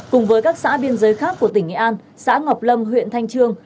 cùng với các xã biên giới khác của tỉnh nghệ an xã ngọc lâm huyện thanh trương